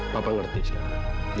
papa ngerti sekarang